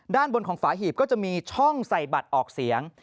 ด้านบนของฝาหีบก็จะมีช่องใส่บัตรออกเสียง